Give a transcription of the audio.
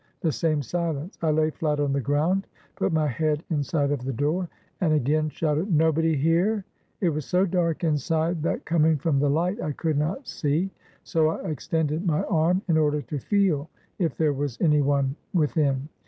The same silence. I lay flat on the ground, put my head inside of the door, and again shouted, "Nobody here?" It was so dark inside that, coming from the light, I could not see, so I extended my arm in order to feel if there was any one within.